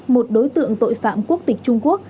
một đối tượng tội phạm quốc tịch trung quốc